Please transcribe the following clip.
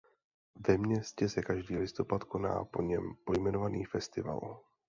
Ve městě se každý listopad koná po něm pojmenovaný festival.